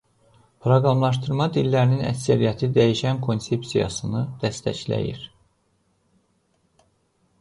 Proqramlaşdırma dillərinin əksəriyyəti dəyişən konsepsiyasını dəstəkləyir.